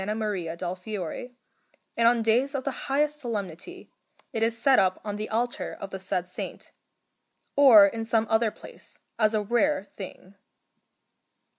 Maria del Fiore, and on days of the highest solemnity it is set up on the altar of the said Saint, or in some other place, as a rare thing.